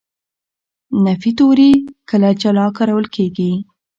نفي توري کله جلا کارول کېږي.